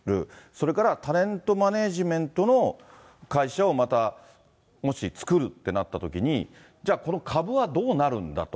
それからタレントマネージメントの会社をまたもし作るってなったときに、じゃあ、この株はどうなるんだと。